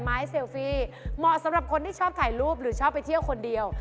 เซลฟี่เหมาะสำหรับคนที่ชอบถ่ายรูปหรือชอบไปเที่ยวคนเดียว